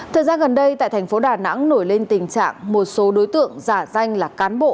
thời gian gần đây tại thành phố đà nẵng nổi lên tình trạng một số đối tượng giả danh là cán bộ